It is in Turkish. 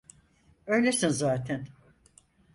Öylesin zaten.